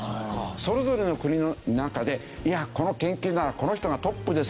それぞれの国の中でいやこの研究ならこの人がトップですよ